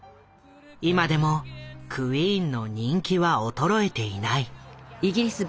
今でもクイーンの人気は衰えていない。